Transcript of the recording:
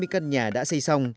hai mươi căn nhà đã xây xong